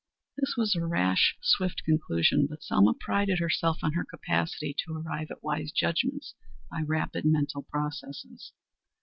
This was a rash, swift conclusion, but Selma prided herself on her capacity to arrive at wise judgments by rapid mental processes.